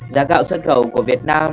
giá gạo xuất khẩu của việt nam